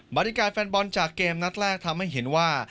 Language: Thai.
นาฬิกาแฟนบอลจากเกมนัดแรกทำให้เห็นว่า